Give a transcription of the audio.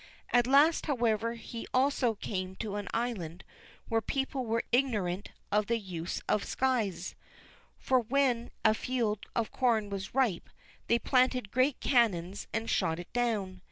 At last, however, he also came to an island whose people were ignorant of the use of scythes; for when a field of corn was ripe, they planted great cannons and shot it down!